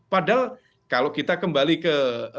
padahal kalau kita kembali ke